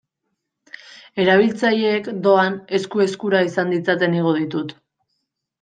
Erabiltzaileek, doan, esku-eskura izan ditzaten igo ditut.